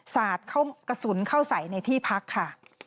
สาดเข้ากระสุนเข้าใส่ในที่พักค่ะ